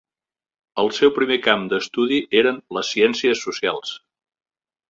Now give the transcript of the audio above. El seu primer camp d'estudi eren les ciències socials.